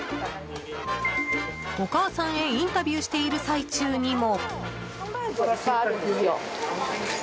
お母さんへインタビューしている最中にも。